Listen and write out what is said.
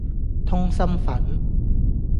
通心粉